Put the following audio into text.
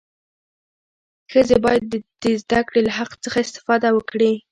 ښځې باید د زدهکړې له حق څخه استفاده وکړي.